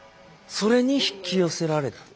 それに引き寄せられた。